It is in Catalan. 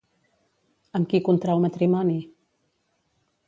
Amb qui contrau matrimoni?